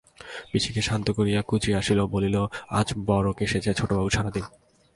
পিসিকে শান্ত করিয়া কুঁচি আসিয়াছিল, বলিল, আজ বড় কেশেছে ছোটবাবু সারাদিন।